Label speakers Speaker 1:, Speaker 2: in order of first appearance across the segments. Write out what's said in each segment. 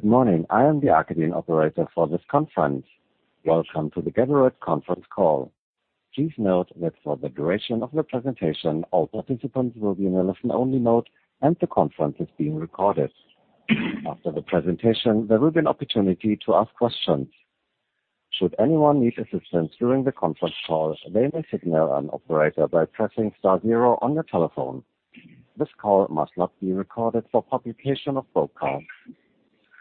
Speaker 1: Good morning. I am the Arkadin operator for this conference. Welcome to the Geberit conference call. Please note that for the duration of the presentation, all participants will be in a listen-only mode, and the conference is being recorded. After the presentation, there will be an opportunity to ask questions. Should anyone need assistance during the conference call, they may signal an operator by pressing star zero on your telephone. This call must not be recorded for publication or broadcast.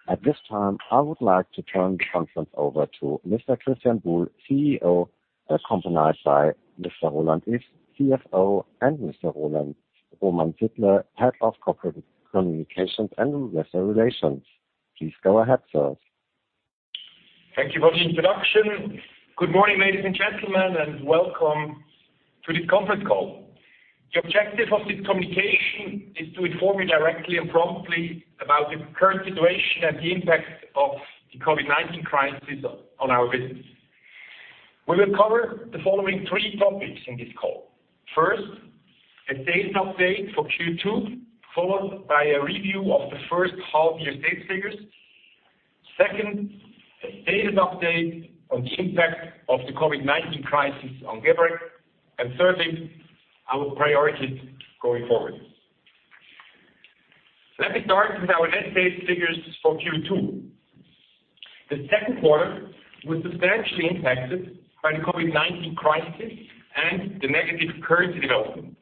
Speaker 1: At this time, I would like to turn the conference over to Mr. Christian Buhl, CEO, accompanied by Mr. Roland Iff, CFO, and Mr. Roman Sidler, Head of Corporate Communications and Investor Relations. Please go ahead, sirs.
Speaker 2: Thank you for the introduction. Good morning, ladies and gentlemen, and welcome to the conference call. The objective of this communication is to inform you directly and promptly about the current situation and the impact of the COVID-19 crisis on our business. We will cover the following three topics in this call. First, a sales update for Q2, followed by a review of the first half-year sales figures. Second, a sales update on the impact of the COVID-19 crisis on Geberit, and thirdly, our priorities going forward. Let me start with our net sales figures for Q2. The second quarter was substantially impacted by the COVID-19 crisis and the negative currency development.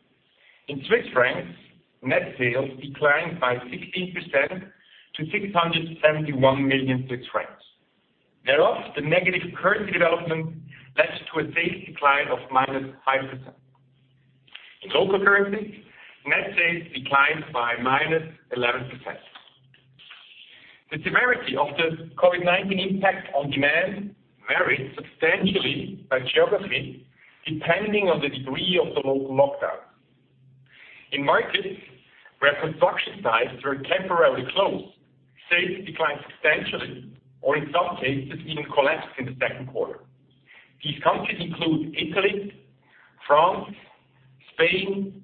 Speaker 2: In CHF, net sales declined by 16% to 671 million Swiss francs. Thereof, the negative currency development led to a sales decline of minus 5%. In local currency, net sales declined by minus 11%. The severity of the COVID-19 impact on demand varied substantially by geography, depending on the degree of the local lockdown. In markets where construction sites were temporarily closed, sales declined substantially, or in some cases, even collapsed in the second quarter. These countries include Italy, France, Spain,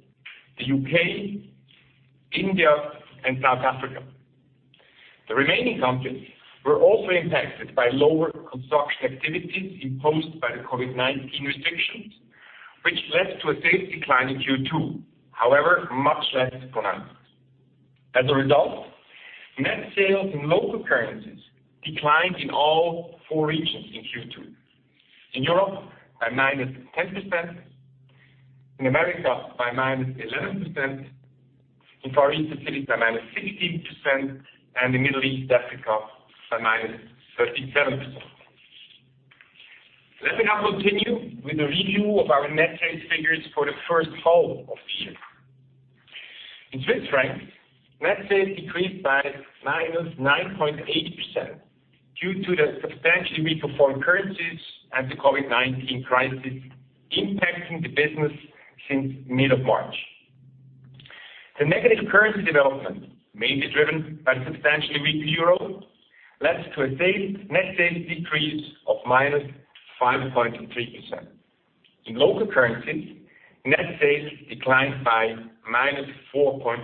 Speaker 2: the U.K., India, and South Africa. The remaining countries were also impacted by lower construction activities imposed by the COVID-19 restrictions, which led to a sales decline in Q2, however, much less pronounced. As a result, net sales in local currencies declined in all four regions in Q2. In Europe, by -10%, in America by -11%, in Far East and Pacific by -16%, and in Middle East Africa by -37%. Let me now continue with a review of our net sales figures for the first half of the year. In CHF, net sales decreased by -9.8% due to the substantially weaker foreign currencies and the COVID-19 crisis impacting the business since mid of March. The negative currency development, mainly driven by the substantially weaker EUR, led to a net sales decrease of -5.3%. In local currency, net sales declined by -4.5%.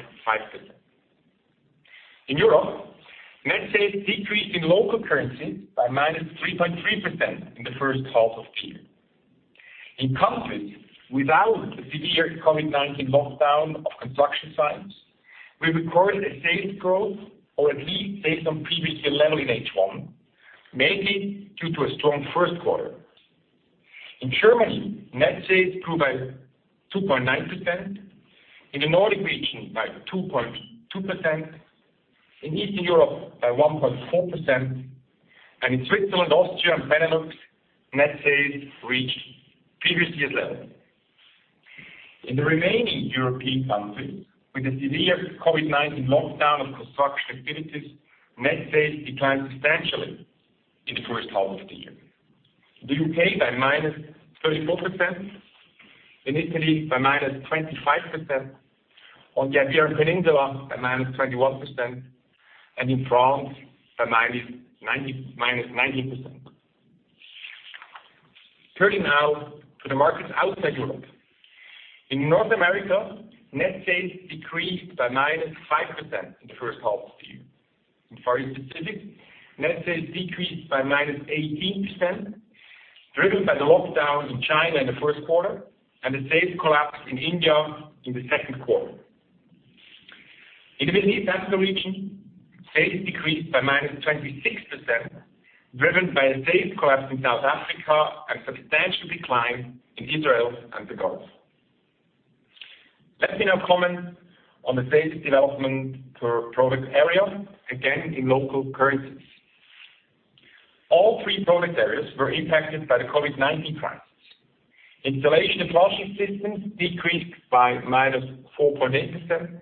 Speaker 2: In Europe, net sales decreased in local currency by -3.3% in the first half of the year. In countries without a severe COVID-19 lockdown of construction sites, we recorded a sales growth or at least sales on previous year level in H1, mainly due to a strong first quarter. In Germany, net sales grew by 2.9%, in the Nordic region by 2.2%, in Eastern Europe by 1.4%, and in Switzerland, Austria, and Benelux, net sales reached previous year level. In the remaining European countries, with the severe COVID-19 lockdown of construction activities, net sales declined substantially in the first half of the year. The U.K. by -34%, in Italy by -25%, on the Iberian Peninsula by -21%, and in France by -19%. Turning now to the markets outside Europe. In North America, net sales decreased by -5% in the first half of the year. In Far East and Pacific, net sales decreased by -18%, driven by the lockdown in China in the first quarter and the sales collapse in India in the second quarter. In the Middle East Africa region, sales decreased by -26%, driven by a sales collapse in South Africa and substantial decline in Israel and the Gulf. Let me now comment on the sales development per product area, again in local currencies. All three product areas were impacted by the COVID-19 crisis. Installation and Flushing Systems decreased by -4.8%,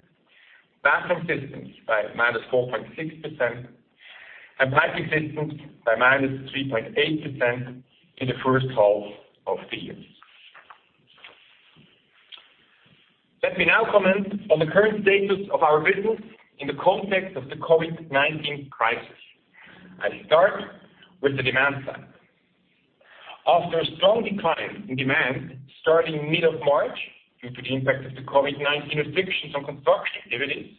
Speaker 2: Bathroom Systems by -4.6%, and Piping Systems by -3.8% in the first half of the year. Let me now comment on the current status of our business in the context of the COVID-19 crisis. I start with the demand side. After a strong decline in demand starting mid of March, due to the impact of the COVID-19 restrictions on construction activities,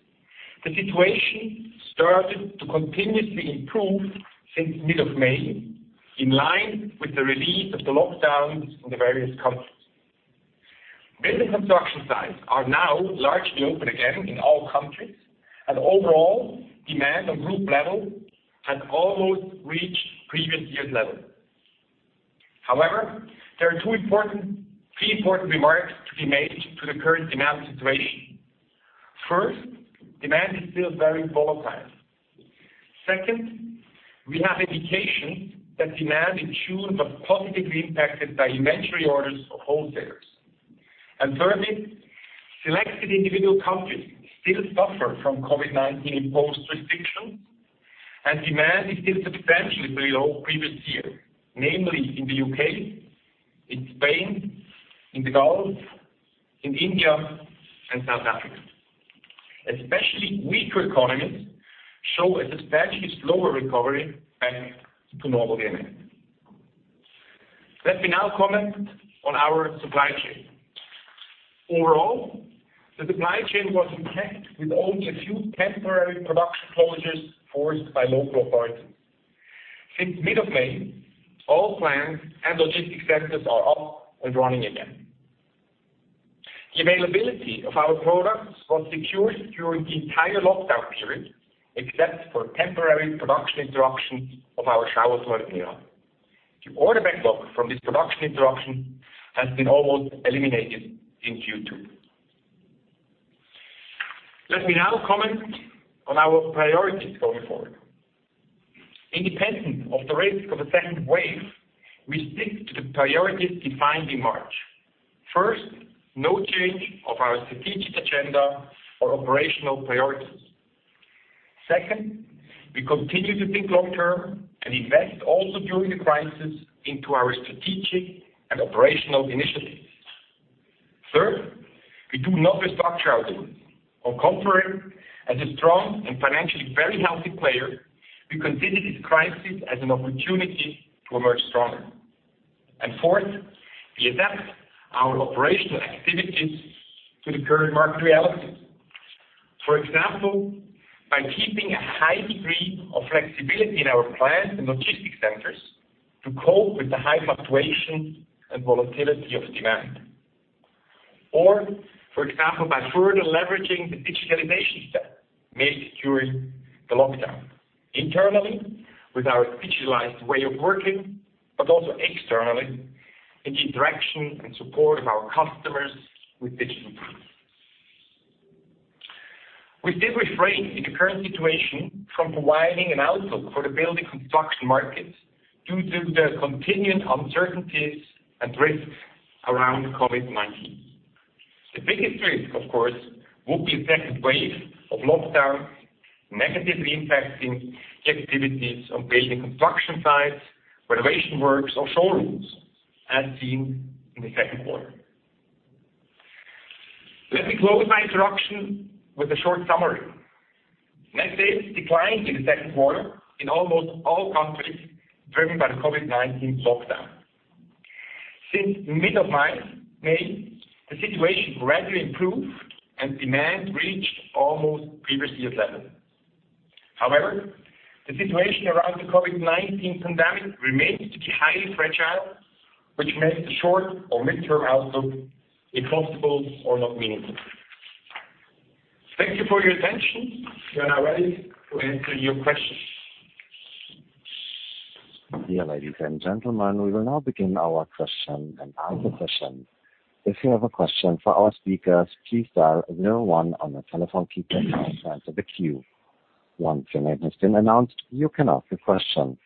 Speaker 2: the situation started to continuously improve since mid of May, in line with the relief of the lockdowns in the various countries. Building construction sites are now largely open again in all countries, and overall demand on group level has almost reached previous year's level. However, there are three important remarks to be made to the current demand situation. First, demand is still very volatile. We have indications that demand in June was positively impacted by inventory orders for wholesalers. Thirdly, selected individual countries still suffer from COVID-19 imposed restrictions, and demand is still substantially below previous year, namely in the U.K., in Spain, in the Gulf, in India, and South Africa. Especially weaker economies show a substantially slower recovery back to normal demand. Let me now comment on our supply chain. Overall, the supply chain was intact with only a few temporary production closures forced by local authorities. Since mid of May, all plants and logistic centers are up and running again. The availability of our products was secured during the entire lockdown period, except for temporary production interruption of our shower toilet in Milan. The order backlog from this production interruption has been almost eliminated in Q2. Let me now comment on our priorities going forward. Independent of the risk of a second wave, we stick to the priorities defined in March. First, no change of our strategic agenda or operational priorities. Second, we continue to think long-term and invest also during the crisis into our strategic and operational initiatives. Third, we do not restructure our group. On contrary, as a strong and financially very healthy player, we continue this crisis as an opportunity to emerge stronger. Fourth, we adapt our operational activities to the current market reality. For example, by keeping a high degree of flexibility in our plants and logistics centers to cope with the high fluctuations and volatility of demand. For example, by further leveraging the digital innovations made during the lockdown, internally with our digitalized way of working, but also externally in the interaction and support of our customers with digital products. We still refrain in the current situation from providing an outlook for the building construction market due to the continued uncertainties and risks around COVID-19. The biggest risk, of course, would be a second wave of lockdowns, negatively impacting the activities on building construction sites, renovation works or showrooms, as seen in the second quarter. Let me close my introduction with a short summary. Net sales declined in the second quarter in almost all countries, driven by the COVID-19 lockdown. Since mid-May, the situation gradually improved, and demand reached almost previous year's level. However, the situation around the COVID-19 pandemic remains to be highly fragile, which makes the short or mid-term outlook impossible or not meaningful. Thank you for your attention. We are now ready to answer your questions.
Speaker 1: Dear ladies and gentlemen, we will now begin our question and answer session. If you have a question for our speakers, please dial one on your telephone keypad now to enter the queue. Once your name has been announced, you can ask your question.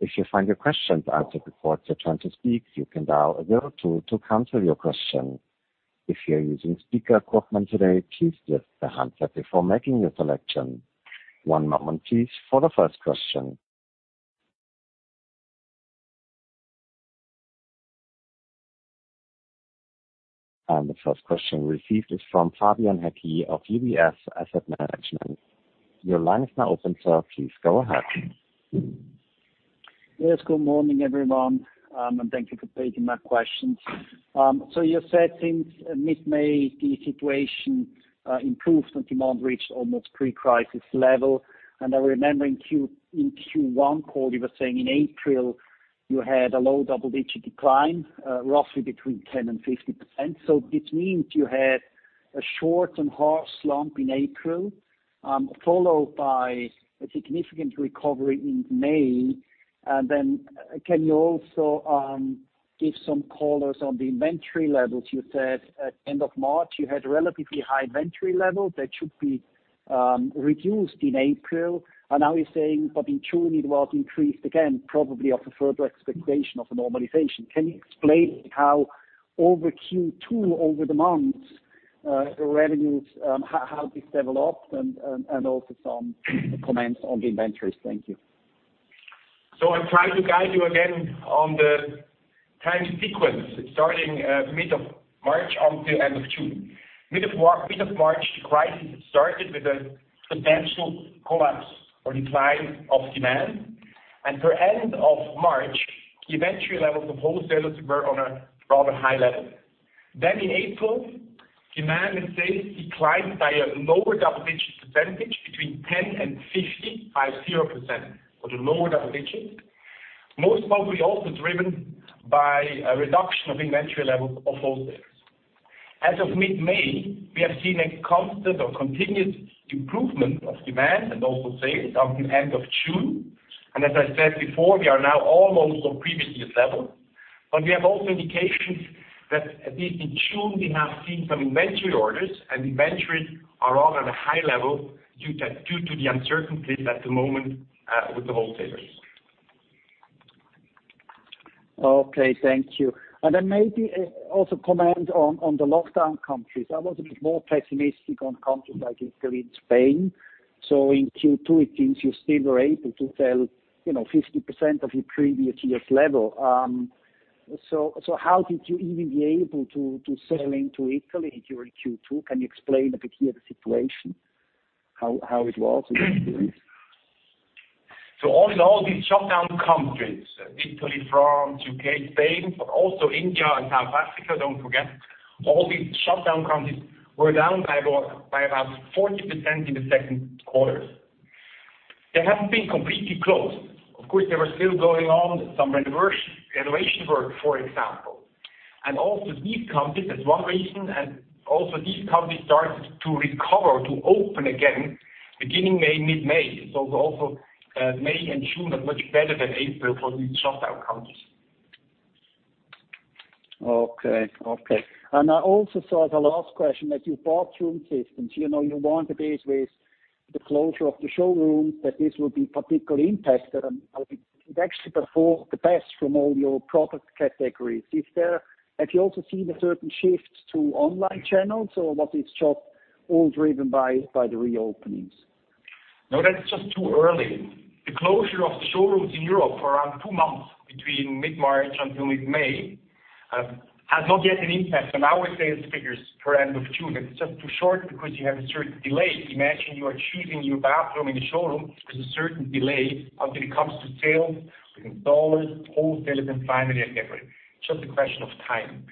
Speaker 1: If you find your question answered before it's your turn to speak, you can dial two to cancel your question. If you are using speaker equipment today, please lift the handset before making your selection. One moment please for the first question. The first question received is from Fabian Häcki of UBS Asset Management. Your line is now open, sir. Please go ahead.
Speaker 3: Yes, good morning, everyone, and thank you for taking my questions. You're saying since mid-May, the situation improved and demand reached almost pre-crisis level. I remember in Q1 call, you were saying in April you had a low double-digit decline, roughly between 10% and 15%. This means you had a short and harsh slump in April, followed by a significant recovery in May. Can you also give some colors on the inventory levels? You said at end of March you had relatively high inventory levels that should be reduced in April. Now you're saying, in June it was increased again, probably of a further expectation of a normalization. Can you explain how over Q2, over the months, the revenues, how this developed and also some comments on the inventories? Thank you.
Speaker 2: I try to guide you again on the time sequence, starting mid of March until end of June. Mid of March, the crisis started with a substantial collapse or decline of demand. Per end of March, inventory levels of wholesalers were on a rather high level. In April, demand and sales declined by a lower double-digit percentage between 10% and 15.0%, or the lower double digits, most probably also driven by a reduction of inventory levels of wholesalers. As of mid-May, we have seen a constant or continued improvement of demand and also sales up to end of June. As I said before, we are now almost on previous year's level. We have also indications that at least in June, we have seen some inventory orders and inventories are rather at a high level due to the uncertainties at the moment with the wholesalers.
Speaker 3: Okay, thank you. Then maybe also comment on the lockdown countries. I was a bit more pessimistic on countries like Italy and Spain. In Q2 it seems you still were able to sell 50% of your previous year's level. How did you even be able to sell into Italy during Q2? Can you explain a bit here the situation, how it was in Italy?
Speaker 2: All in all, these shutdown countries, Italy, France, U.K., Spain, but also India and South Africa, don't forget, all these shutdown countries were down by about 40% in the second quarter. They haven't been completely closed. Of course, they were still going on some renovation work, for example. Also these countries, that's one reason, and also these countries started to recover, to open again, beginning May, mid-May. Also May and June are much better than April for these shutdown countries.
Speaker 3: Okay. I also saw as a last question that you Bathroom Systems, you warned us with the closure of the showrooms that this would be particularly impacted and how it would actually perform the best from all your product categories. Have you also seen a certain shift to online channels or was this just all driven by the reopenings?
Speaker 2: No, that is just too early. The closure of the showrooms in Europe for around two months between mid-March until mid-May, has not yet an impact on our sales figures for end of June. It's just too short because you have a certain delay. Imagine you are choosing your bathroom in the showroom. There's a certain delay until it comes to sale, to installers, wholesalers, and finally at Geberit. It's just a question of time.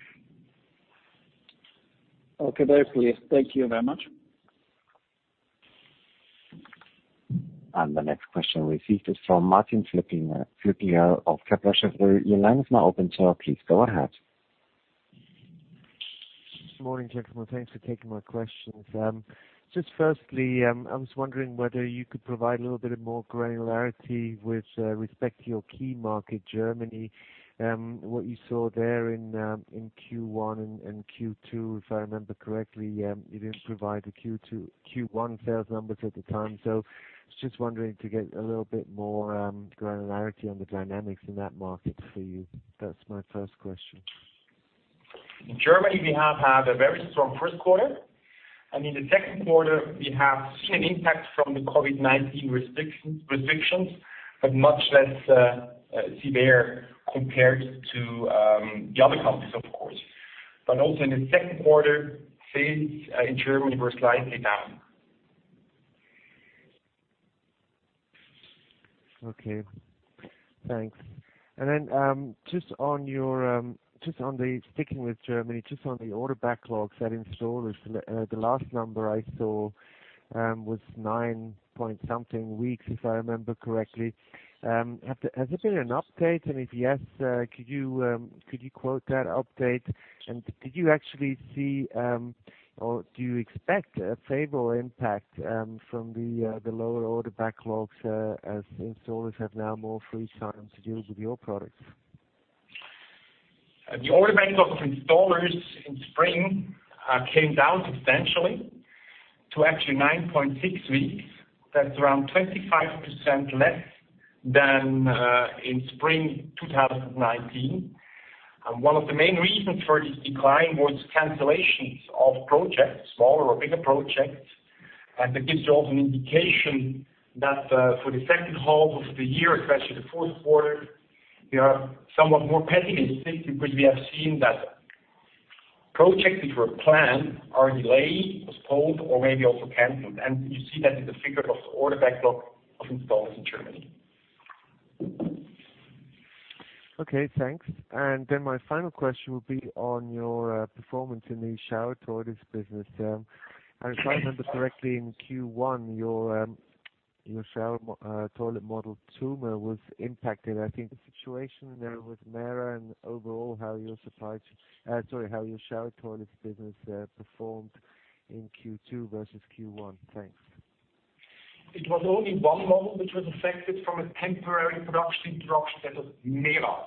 Speaker 3: Okay, very clear. Thank you very much.
Speaker 1: The next question received is from Martin Flueckiger of Kepler Cheuvreux. Your line is now open, sir. Please go ahead.
Speaker 4: Good morning, gentlemen. Thanks for taking my questions. Just firstly, I was wondering whether you could provide a little bit more granularity with respect to your key market, Germany, what you saw there in Q1 and Q2. If I remember correctly, you didn't provide the Q1 sales numbers at the time, so I was just wondering to get a little bit more granularity on the dynamics in that market for you. That's my first question.
Speaker 2: In Germany, we have had a very strong first quarter, and in the second quarter, we have seen an impact from the COVID-19 restrictions, but much less severe compared to the other countries, of course. Also in the second quarter, sales in Germany were slightly down.
Speaker 4: Okay, thanks. Just on the, sticking with Germany, just on the order backlogs at installers, the last number I saw was nine-point-something weeks, if I remember correctly. Has there been an update, and if yes, could you quote that update and did you actually see, or do you expect a favorable impact from the lower order backlogs as installers have now more free time to deal with your products?
Speaker 2: The order backlog of installers in spring came down substantially to actually 9.6 weeks. That's around 25% less than in spring 2019. One of the main reasons for this decline was cancellations of projects, smaller or bigger projects. That gives you also an indication that for the second half of the year, especially the fourth quarter, we are somewhat more pessimistic because we have seen that projects which were planned are delayed, postponed, or maybe also canceled. You see that in the figures of the order backlog of installers in Germany.
Speaker 4: Okay, thanks. My final question would be on your performance in the shower toilets business. If I remember correctly, in Q1, your shower toilet model Tuma was impacted. I think the situation now with Mera and overall how your shower toilets business performed in Q2 versus Q1. Thanks.
Speaker 2: It was only one model which was affected from a temporary production interruption. That was Mera.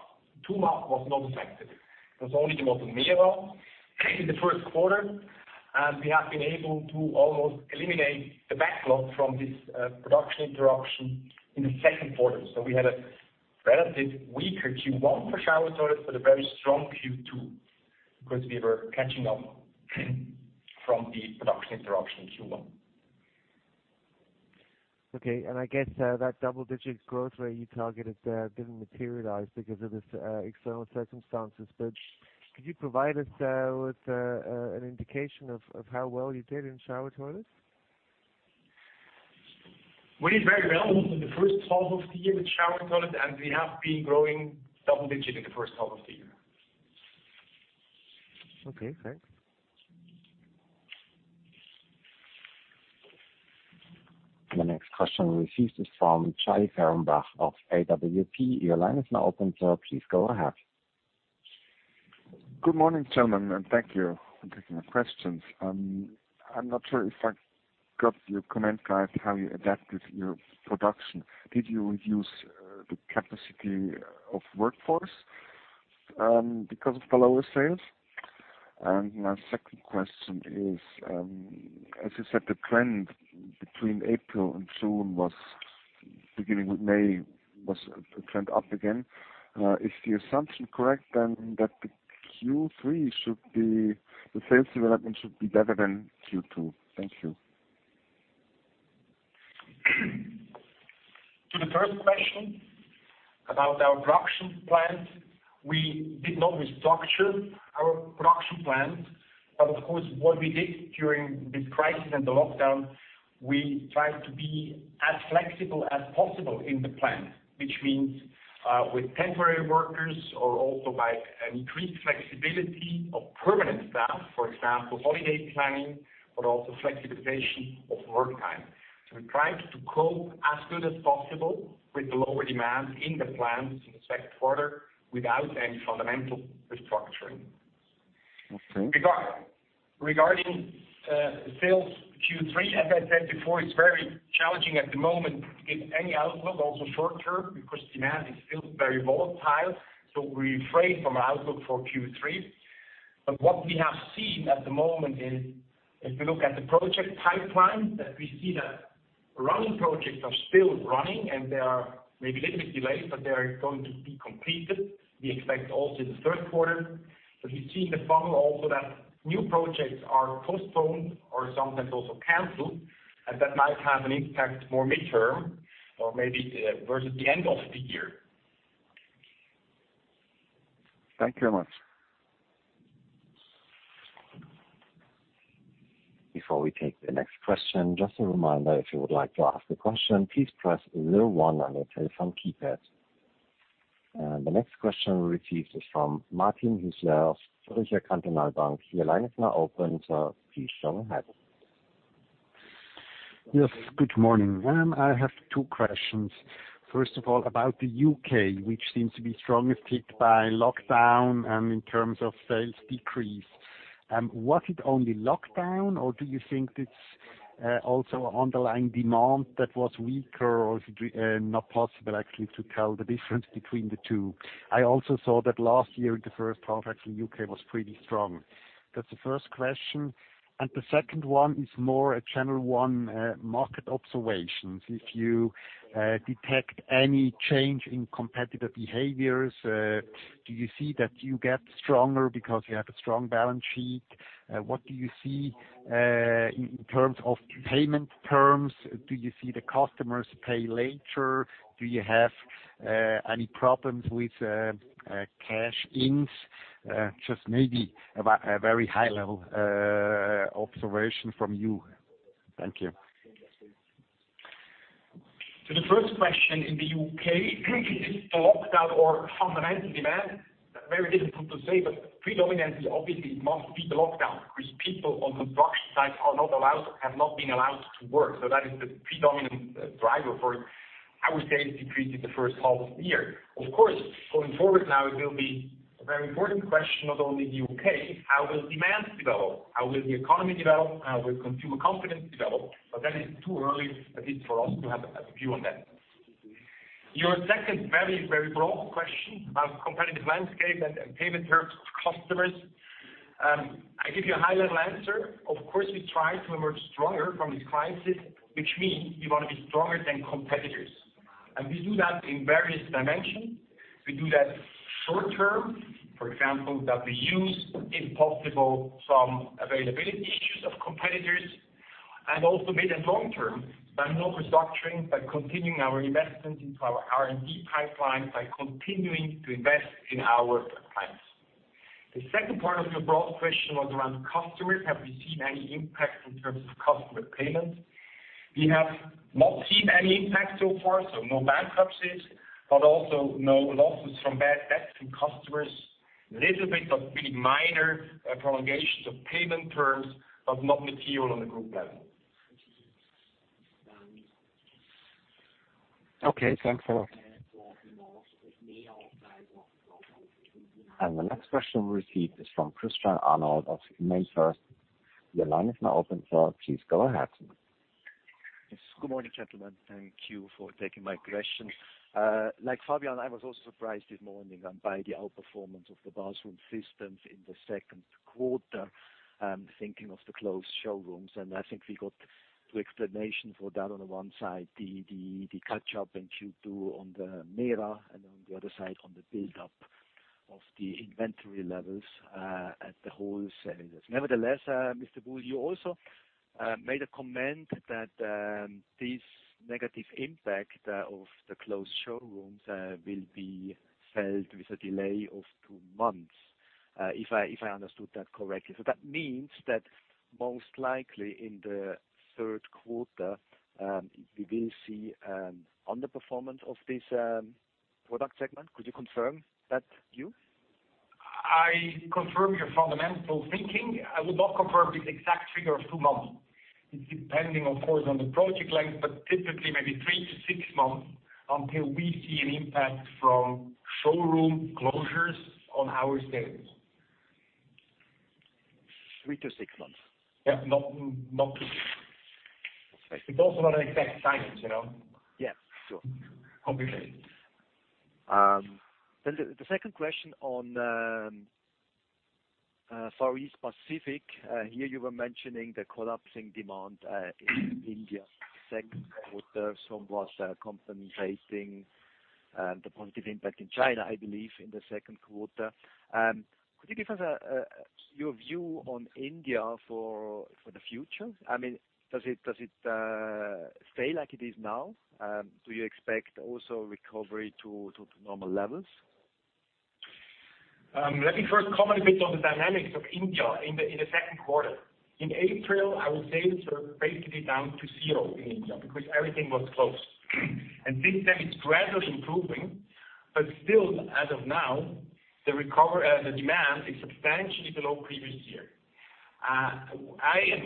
Speaker 2: Tuma was not affected. It was only the model Mera in the first quarter, and we have been able to almost eliminate the backlog from this production interruption in the second quarter. We had a relative weaker Q1 for shower toilets, but a very strong Q2 because we were catching up from the production interruption in Q1.
Speaker 4: Okay. I guess that double-digit growth rate you targeted there didn't materialize because of the external circumstances. Could you provide us with an indication of how well you did in shower toilets?
Speaker 2: We did very well in the first half of the year with shower toilet, and we have been growing double digits in the first half of the year.
Speaker 4: Okay, thanks.
Speaker 1: The next question we received is from Charlie Ferenbach of AWP. Your line is now open, sir. Please go ahead.
Speaker 5: Good morning, gentlemen, and thank you for taking the questions. I'm not sure if I got your comment right, how you adapted your production. Did you reduce the capacity of workforce because of the lower sales? My second question is, as you said, the trend between April and June was, beginning with May, was a trend up again. Is the assumption correct then that the Q3 the sales development should be better than Q2? Thank you.
Speaker 2: To the first question about our production plants. We did not restructure our production plants. Of course, what we did during this crisis and the lockdown, we tried to be as flexible as possible in the plant, which means with temporary workers or also by an increased flexibility of permanent staff, for example, holiday planning, but also flexibilization of work time. We tried to cope as good as possible with the lower demand in the plants in the second quarter without any fundamental restructuring.
Speaker 5: Okay.
Speaker 2: Regarding sales Q3, as I said before, it's very challenging at the moment to give any outlook, also short-term, because demand is still very volatile. We refrain from our outlook for Q3. What we have seen at the moment is, if you look at the project pipeline, that we see that running projects are still running, and they are maybe a little bit delayed, but they are going to be completed. We expect also in the third quarter. We see in the funnel also that new projects are postponed or sometimes also canceled, and that might have an impact more midterm or maybe towards the end of the year.
Speaker 5: Thank you very much.
Speaker 1: Before we take the next question, just a reminder, if you would like to ask a question, please press 01 on your telephone keypad. The next question we received is from Martin Hüsler, Zürcher Kantonalbank. Your line is now open, sir. Please go ahead.
Speaker 6: Yes, good morning. I have two questions. First of all, about the U.K., which seems to be strongest hit by lockdown and in terms of sales decrease. Was it only lockdown or do you think it's also underlying demand that was weaker or is it not possible actually to tell the difference between the two? I also saw that last year, the first half, actually, U.K. was pretty strong. That's the first question. The second one is more a channel one market observations. If you detect any change in competitive behaviors, do you see that you get stronger because you have a strong balance sheet? What do you see in terms of payment terms? Do you see the customers pay later? Do you have any problems with cash ins? Just maybe a very high-level observation from you. Thank you.
Speaker 2: To the first question, in the U.K., is it a lockdown or fundamental demand? Very difficult to say, predominantly, obviously, it must be the lockdown because people on construction sites are not allowed, have not been allowed to work. That is the predominant driver for, I would say, the decrease in the first half of the year. Of course, going forward now, it will be a very important question, not only in the U.K., how will demand develop? How will the economy develop, and how will consumer confidence develop? That is too early, at least for us, to have a view on that. Your second very broad question about competitive landscape and payment terms to customers. I give you a high-level answer. Of course, we try to emerge stronger from this crisis, which means we want to be stronger than competitors. We do that in various dimensions. We do that short-term, for example, that we use, if possible, some availability issues of competitors, and also mid and long-term by not restructuring, by continuing our investment into our R&D pipeline, by continuing to invest in our plants. The second part of your broad question was around customers. Have we seen any impact in terms of customer payments? We have not seen any impact so far. No bankruptcies, but also no losses from bad debts to customers. Little bit of pretty minor prolongations of payment terms, but not material on the group level.
Speaker 6: Okay, thanks a lot.
Speaker 1: The next question we received is from Christian Arnold of MainFirst. Your line is now open, sir. Please go ahead.
Speaker 7: Yes. Good morning, gentlemen. Thank you for taking my question. Like Fabian, I was also surprised this morning by the outperformance of the Bathroom Systems in the second quarter. I'm thinking of the closed showrooms, and I think we got two explanations for that. On the one side, the catch up in Q2 on the Mera, and on the other side, on the build up of the inventory levels at the wholesalers. Mr. Buhl, you also made a comment that this negative impact of the closed showrooms will be felt with a delay of two months. If I understood that correctly. That means that most likely in the third quarter, we will see underperformance of this product segment. Could you confirm that view?
Speaker 2: I confirm your fundamental thinking. I will not confirm this exact figure of two months. It's depending, of course, on the project length, but typically maybe three to six months until we see an impact from showroom closures on our sales.
Speaker 7: Three to six months.
Speaker 2: Yeah, not two.
Speaker 7: Okay.
Speaker 2: It's also not an exact science.
Speaker 7: Yeah. Sure.
Speaker 2: Completely.
Speaker 7: The second question on Far East Pacific. Here you were mentioning the collapsing demand in India second quarter. It was compensating the positive impact in China, I believe in the second quarter. Could you give us your view on India for the future? Does it stay like it is now? Do you expect also recovery to normal levels?
Speaker 2: Let me first comment a bit on the dynamics of India in the second quarter. In April, our sales were basically down to zero in India because everything was closed. Since then it's gradually improving, but still as of now, the demand is substantially below previous year.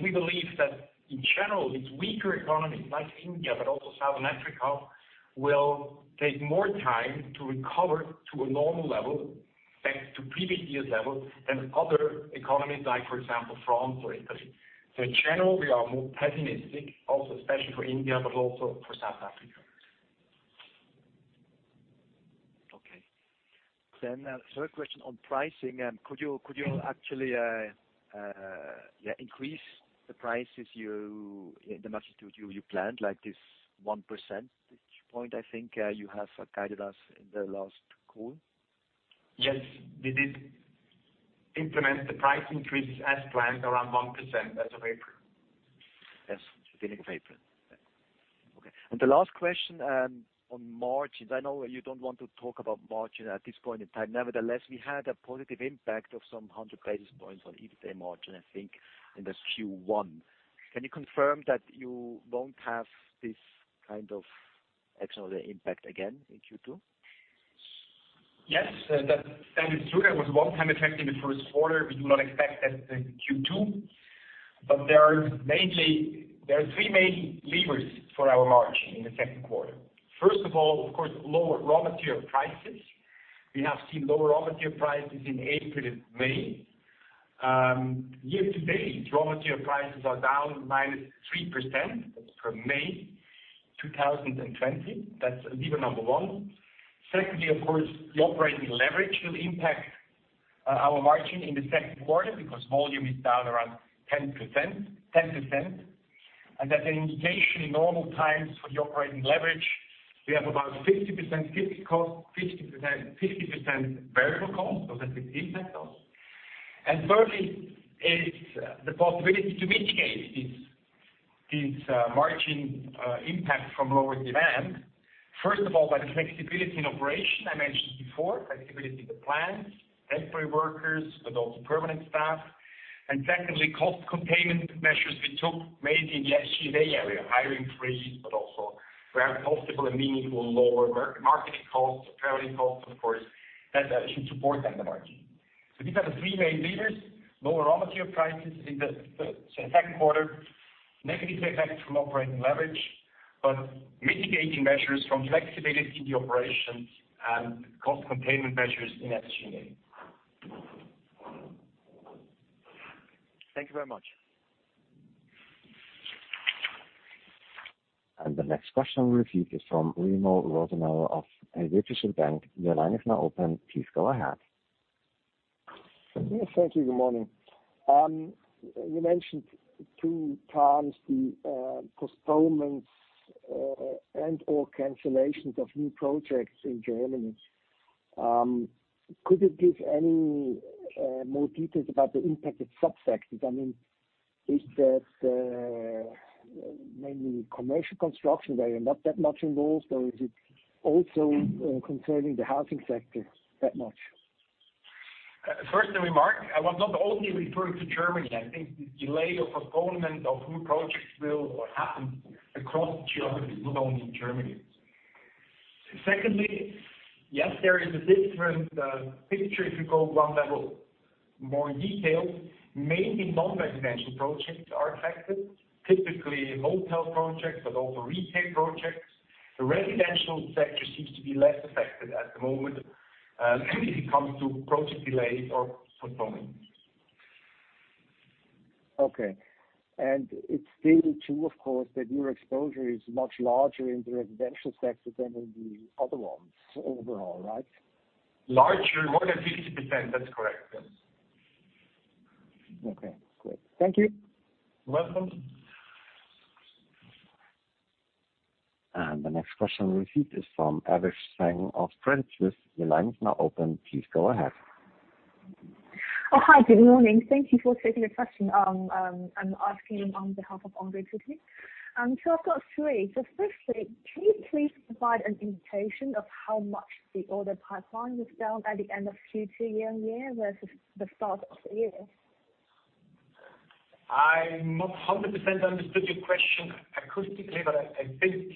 Speaker 2: We believe that in general, weaker economies like India, but also South Africa, will take more time to recover to a normal level, back to previous year's level than other economies like, for example, France or Italy. In general, we are more pessimistic also especially for India, but also for South Africa.
Speaker 7: Okay. A third question on pricing. Could you actually increase the prices in the magnitude you planned, like this 1% point I think you have guided us in the last call?
Speaker 2: Yes. We did implement the price increases as planned around 1% as of April.
Speaker 7: Yes. Beginning of April. Okay. The last question on margins. I know you don't want to talk about margin at this point in time. Nevertheless, we had a positive impact of some 100 basis points on EBITDA margin, I think in this Q1. Can you confirm that you won't have this kind of extraordinary impact again in Q2?
Speaker 2: Yes, that is true. That was a one-time effect in the first quarter. We do not expect that in Q2. There are three main levers for our margin in the second quarter. First of all, of course, lower raw material prices. We have seen lower raw material prices in April and May. Year to date, raw material prices are down -3% from May 2020. That's lever number one. Secondly, of course, the operating leverage will impact our margin in the second quarter because volume is down around 10%. As an indication, in normal times for the operating leverage, we have about 50% fixed cost, 50% variable cost. That will impact us. Thirdly, it's the possibility to mitigate this margin impact from lower demand. First of all, by the flexibility in operation I mentioned before, flexibility in the plants, temporary workers, but also permanent staff. Secondly, cost containment measures we took mainly in the SG&A area, hiring freeze, but also where possible and meaningful, lower marketing costs, traveling costs, of course, that should support then the margin. These are the three main levers, lower raw material prices in the second quarter, negative effect from operating leverage, but mitigating measures from flexibility in the operations and cost containment measures in SG&A.
Speaker 7: Thank you very much.
Speaker 1: The next question we receive is from Remo Rosenau of Helvetische Bank. Your line is now open. Please go ahead.
Speaker 8: Yes, thank you. Good morning. You mentioned two times the postponements, and/or cancellations of new projects in Germany. Could you give any more details about the impacted subsectors? Is that mainly commercial construction where you're not that much involved, or is it also concerning the housing sector that much?
Speaker 2: First remark, I was not only referring to Germany. I think the delay or postponement of new projects will happen across geographies, not only in Germany. Secondly, yes, there is a different picture if you go one level more in detail. Mainly non-residential projects are affected, typically hotel projects, but also retail projects. The residential sector seems to be less affected at the moment when it comes to project delays or postponements.
Speaker 8: Okay. It's still true, of course, that your exposure is much larger in the residential sector than in the other ones overall, right?
Speaker 2: Larger, more than 50%. That's correct. Yes.
Speaker 8: Okay, great. Thank you.
Speaker 2: You're welcome.
Speaker 1: The next question we'll receive is from Avish Singh of Credit Suisse. Your line is now open. Please go ahead.
Speaker 9: Oh, hi, good morning. Thank you for taking the question. I'm asking on behalf of Andre Sydow. I've got three. Firstly, can you please provide an indication of how much the order pipeline was down at the end of Q2 year-on-year versus the start of the year?
Speaker 2: I not 100% understood your question acoustically, but I think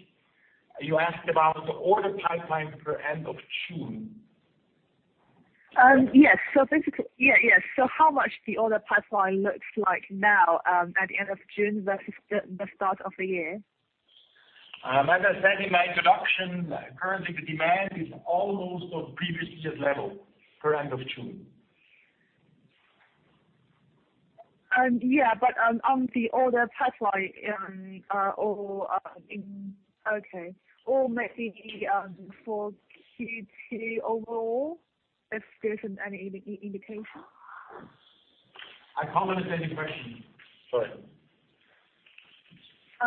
Speaker 2: you asked about the order pipeline for end of June.
Speaker 9: Yes. How much the order pipeline looks like now, at the end of June versus the start of the year?
Speaker 2: As I said in my introduction, currently the demand is almost on previous year's level for end of June.
Speaker 9: Yeah, on the order pipeline. Okay. Maybe for Q2 overall, if there's any indication.
Speaker 2: I can't understand your question, sorry.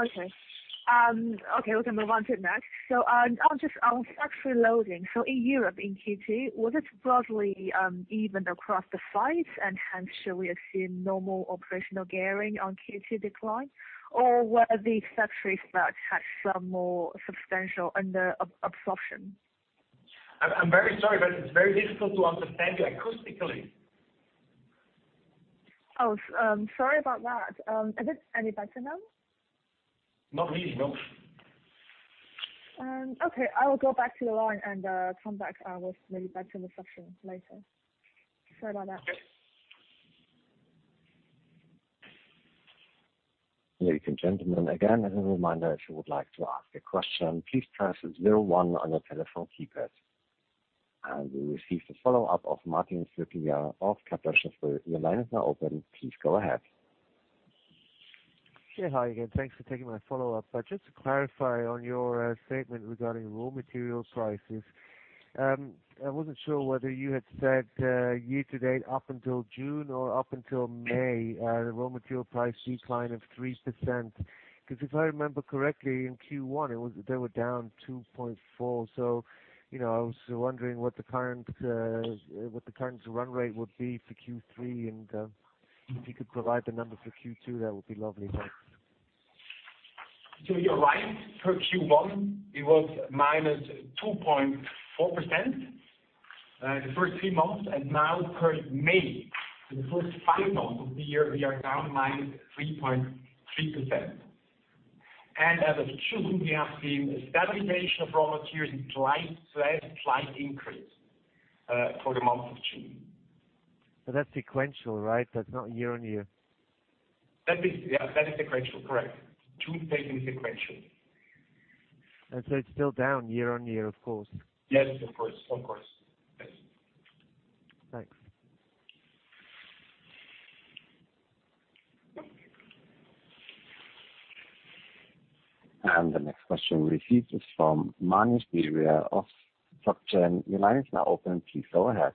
Speaker 9: Okay. We can move on to the next. Just on factory loading. In Europe, in Q2, was it broadly even across the sites and hence shall we assume normal operational gearing on Q2 decline? Or were the factory starts at some more substantial under absorption?
Speaker 2: I'm very sorry, but it's very difficult to understand you acoustically.
Speaker 9: Oh, sorry about that. Is it any better now?
Speaker 2: Not really, no.
Speaker 9: Okay. I will go back to the line and come back. I will maybe back in the session later. Sorry about that.
Speaker 1: Ladies and gentlemen, again, as a reminder, if you would like to ask a question, please press zero one on your telephone keypad. We receive the follow-up of Martin Flueckiger of Kepler Cheuvreux. Your line is now open. Please go ahead.
Speaker 4: Yeah. Hi again. Thanks for taking my follow-up. Just to clarify on your statement regarding raw material prices, I wasn't sure whether you had said year-to-date up until June or up until May, the raw material price decline of 3%. If I remember correctly, in Q1, they were down 2.4%. I was wondering what the current run rate would be for Q3, and if you could provide the number for Q2, that would be lovely.
Speaker 2: You're right. For Q1, it was -2.4% the first three months, and now per May, so the first five months of the year, we are down -3.3%. As of June, we have seen a stabilization of raw materials and slight increase for the month of June.
Speaker 4: That's sequential, right? That's not year-on-year.
Speaker 2: That is, yeah. That is sequential, correct. June taken sequentially.
Speaker 4: It's still down year-on-year, of course.
Speaker 2: Yes, of course. Yes.
Speaker 4: Thanks.
Speaker 1: The next question we receive is from Manish Dhingra of Kotak. Your line is now open. Please go ahead.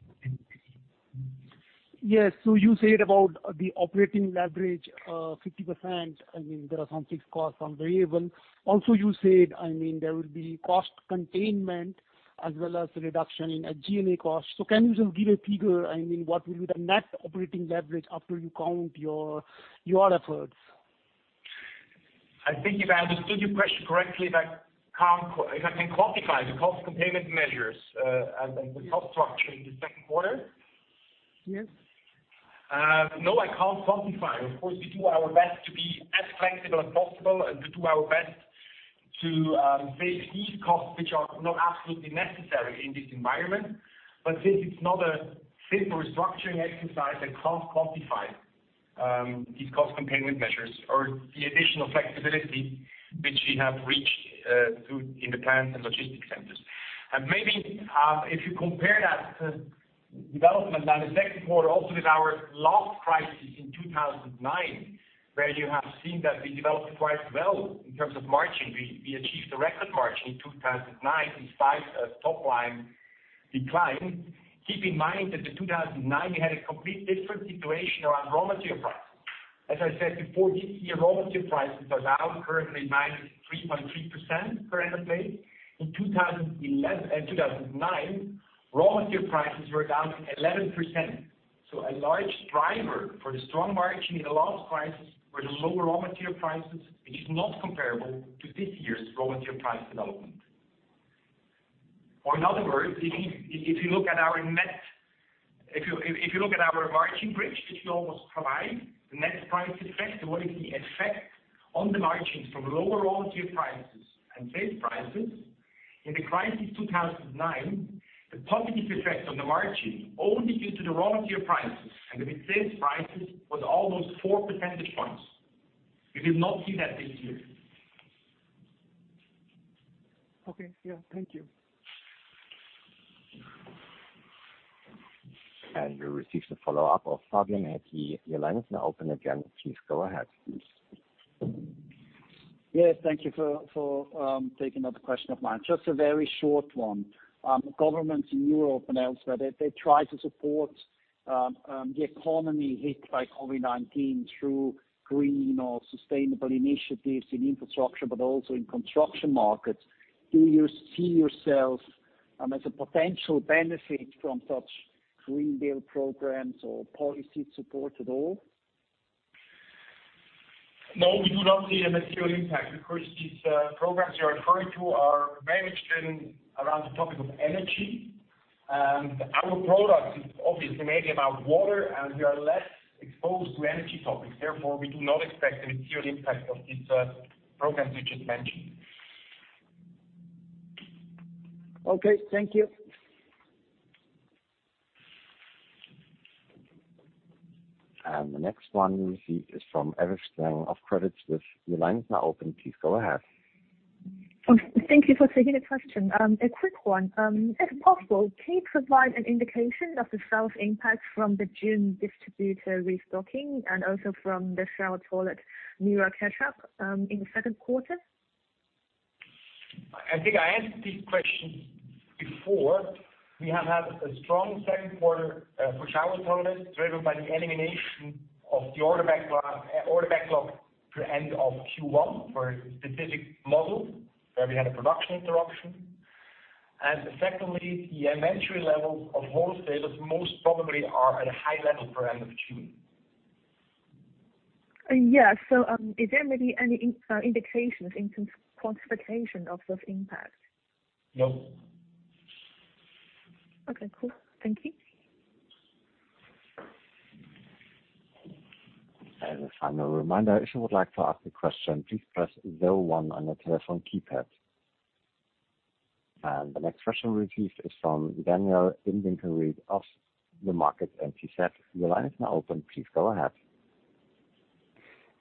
Speaker 10: Yes. You said about the operating leverage, 50%. There are some fixed costs, some variable. Also, you said there will be cost containment as well as reduction in G&A costs. Can you just give a figure, what will be the net operating leverage after you count your efforts?
Speaker 2: I think if I understood your question correctly, if I can quantify the cost containment measures and the cost structure in the second quarter?
Speaker 10: Yes.
Speaker 2: No, I can't quantify. Of course, we do our best to be as flexible as possible and we do our best to face these costs, which are not absolutely necessary in this environment. Since it's not a simple restructuring exercise, I can't quantify these cost containment measures or the additional flexibility which we have reached through in the plants and logistic centers. Maybe, if you compare that development now in the second quarter also with our last crisis in 2009, where you have seen that we developed quite well in terms of margin. We achieved a record margin in 2009, despite a top line decline. Keep in mind that in 2009, we had a complete different situation around raw material prices. As I said before, this year, raw material prices are down currently 3.3% for end of May. In 2009, raw material prices were down 11%. A large driver for the strong margin in the last crisis were the lower raw material prices, which is not comparable to this year's raw material price development. In other words, if you look at our margin bridge, which we always provide, the net price effect, what is the effect on the margins from lower raw material prices and sales prices. In the crisis 2009, the positive effect on the margin only due to the raw material prices and the mix sales prices was almost four percentage points. We will not see that this year.
Speaker 10: Okay. Yeah. Thank you.
Speaker 1: We receive the follow-up of Fabian Häcki. Your line is now open again. Please go ahead.
Speaker 3: Yes. Thank you for taking another question of mine. Just a very short one. Governments in Europe and elsewhere, they try to support the economy hit by COVID-19 through green or sustainable initiatives in infrastructure, but also in construction markets. Do you see yourself as a potential benefit from such Green Deal programs or policy support at all?
Speaker 2: No, we do not see a material impact because these programs you're referring to are managed around the topic of energy. Our product is obviously mainly about water, and we are less exposed to energy topics. Therefore, we do not expect a material impact of these programs you just mentioned.
Speaker 3: Okay. Thank you.
Speaker 1: The next one we receive is from Eva Shang of Credit Suisse. Your line is now open. Please go ahead.
Speaker 11: Thank you for taking the question. A quick one. If possible, can you provide an indication of the sales impact from the June distributor restocking and also from the shower toilet newer catch-up in the second quarter?
Speaker 2: I think I answered this question before. We have had a strong second quarter for shower toilets, driven by the elimination of the order backlog for end of Q1 for a specific model where we had a production interruption. Secondly, the inventory levels of wholesalers most probably are at a high level for end of June.
Speaker 11: Yes. Is there maybe any indications in quantification of those impacts?
Speaker 2: No.
Speaker 11: Okay, cool. Thank you.
Speaker 1: As a final reminder, if you would like to ask a question, please press zero one on your telephone keypad. The next question received is from Daniela Vinkemeier of MainFirst. Your line is now open. Please go ahead.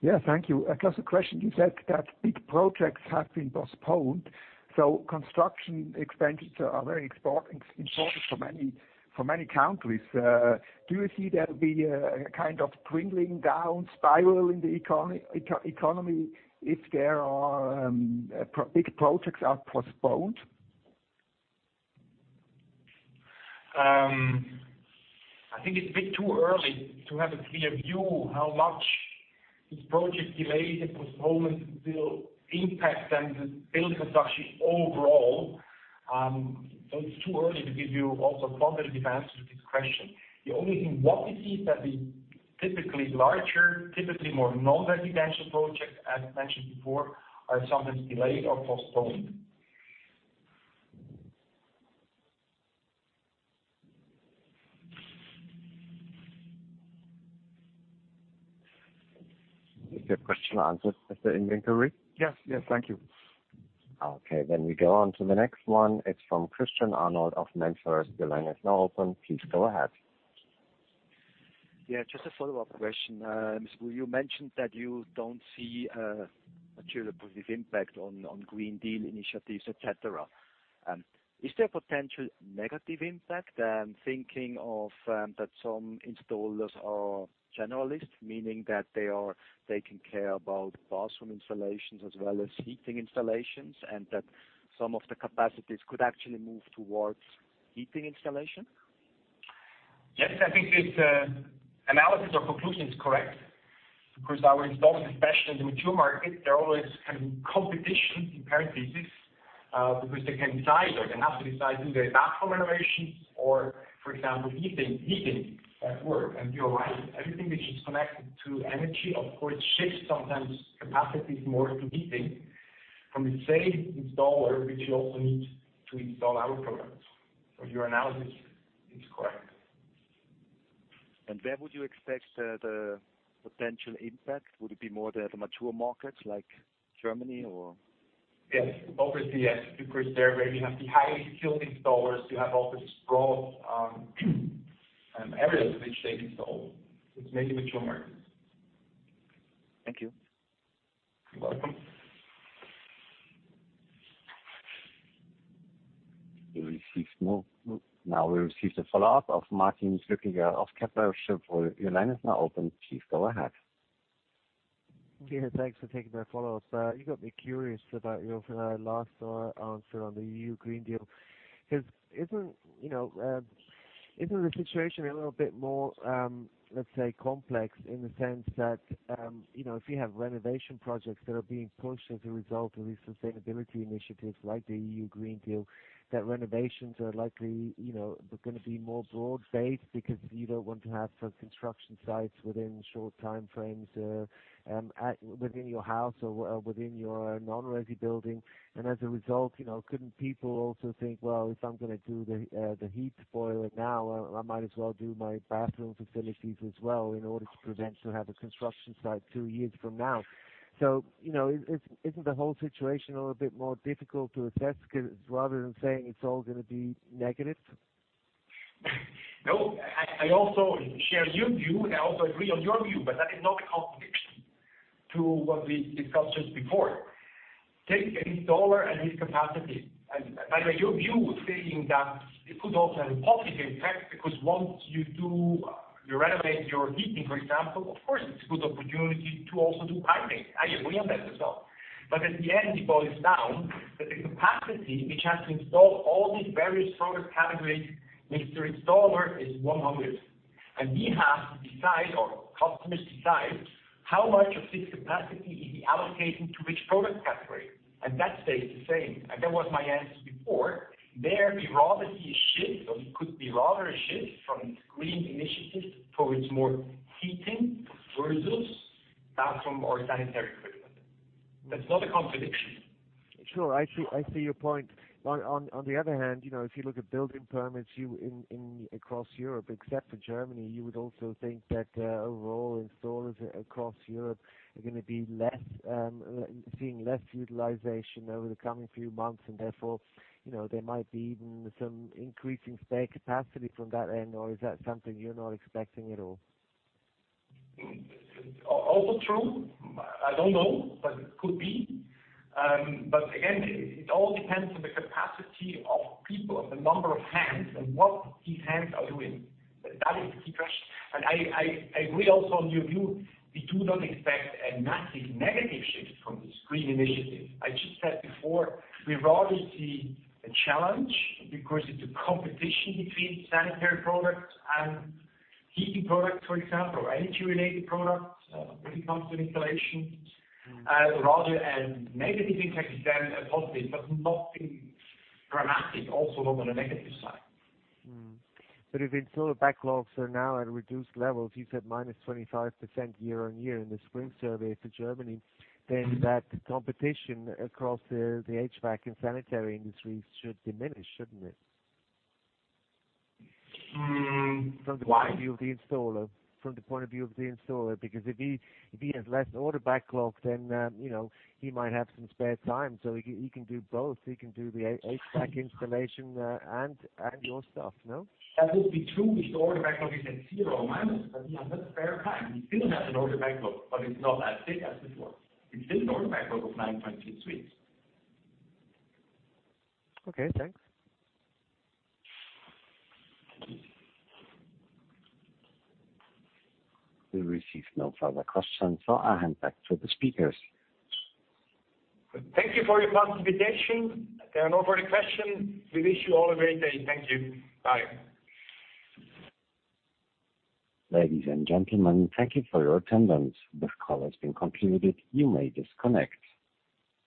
Speaker 12: Yeah. Thank you. Just a question. You said that big projects have been postponed. Construction expenditures are very important for many countries. Do you see there will be a kind of trickling down spiral in the economy if there are big projects are postponed?
Speaker 2: I think it's a bit too early to have a clear view how much these project delays and postponements will impact then the building construction overall. It's too early to give you also a quantitative answer to this question. The only thing, what we see is that the typically larger, typically more non-residential projects, as mentioned before, are sometimes delayed or postponed.
Speaker 1: Is your question answered, Mr. Vinkemeier?
Speaker 12: Yes. Thank you.
Speaker 1: Okay, we go on to the next one. It's from Christian Arnold of MainFirst. Your line is now open. Please go ahead.
Speaker 7: Yeah, just a follow-up question. You mentioned that you don't see a material positive impact on Green Deal initiatives, et cetera. Is there a potential negative impact? I'm thinking of that some installers are generalists, meaning that they are taking care about bathroom installations as well as heating installations, and that some of the capacities could actually move towards heating installation.
Speaker 2: Yes, I think this analysis or conclusion is correct, because our installers, especially in the mature market, they're always in competition, in parentheses, because they can decide or they have to decide, do they Bathroom Systems renovations or, for example, heating as well. You are right, everything which is connected to energy, of course, shifts sometimes capacities more to heating from the same installer, which you also need to install our products. Your analysis is correct.
Speaker 7: Where would you expect the potential impact? Would it be more the mature markets like Germany or?
Speaker 2: Yes. Obviously, yes, because there where you have the highly skilled installers, you have obviously growth on everything which they install. It is mainly mature markets.
Speaker 7: Thank you.
Speaker 2: You're welcome.
Speaker 1: Now we receive the follow-up of Martin Flueckiger of Kepler Cheuvreux. Your line is now open. Please go ahead.
Speaker 4: Yeah, thanks for taking the follow-up. You got me curious about your last answer on the EU Green Deal. Isn't the situation a little bit more, let's say, complex in the sense that if you have renovation projects that are being pushed as a result of these sustainability initiatives like the EU Green Deal, that renovations are likely going to be more broad-based because you don't want to have construction sites within short time frames within your house or within your non-resi building. As a result, couldn't people also think, "Well, if I'm going to do the heat boiler now, I might as well do my bathroom facilities as well in order to prevent to have a construction site two years from now." Isn't the whole situation a little bit more difficult to assess rather than saying it's all going to be negative?
Speaker 2: No, I also share your view, and I also agree on your view, but that is not a contradiction to what we discussed just before. Take any dollar and its capacity. By the way, your view saying that it could also have a positive impact, because once you renovate your heating, for example, of course, it's a good opportunity to also do piping. I agree on that as well. At the end, it boils down that the capacity which has to install all these various product categories makes the installer is 100%. We have to decide, or customers decide, how much of this capacity is he allocating to which product category. That stays the same. That was my answer before. There we rather see a shift, or it could be rather a shift from green initiatives towards more heating versus bathroom or sanitary equipment. That's not a contradiction.
Speaker 4: Sure. I see your point. On the other hand, if you look at building permits across Europe, except for Germany, you would also think that overall installers across Europe are going to be seeing less utilization over the coming few months and therefore, there might be even some increasing spare capacity from that end, or is that something you're not expecting at all?
Speaker 2: Also true. I don't know, but it could be. Again, it all depends on the capacity of people, the number of hands, and what these hands are doing. That is the key question. I agree also on your view. We do not expect a massive negative shift from this green initiative. I just said before, we rather see a challenge because it's a competition between sanitary products and heating products, for example, or energy-related products when it comes to installations. Rather a negative impact than a positive, but nothing dramatic, also not on the negative side.
Speaker 4: If installer backlogs are now at reduced levels, you said minus 25% year-on-year in the spring survey for Germany, then that competition across the HVAC and sanitary industries should diminish, shouldn't it?
Speaker 2: Hmm. Why?
Speaker 4: From the point of view of the installer. If he has less order backlog, then he might have some spare time, so he can do both. He can do the HVAC installation and your stuff, no?
Speaker 2: That would be true if the order backlog is at zero or minus, but we have not spare time. We still have an order backlog, but it's not as big as before. We still have order backlog of 9-10 weeks.
Speaker 4: Okay, thanks.
Speaker 1: We receive no further questions. I hand back to the speakers.
Speaker 2: Thank you for your participation and over the question. We wish you all a great day. Thank you. Bye.
Speaker 1: Ladies and gentlemen, thank you for your attendance. This call has been concluded. You may disconnect.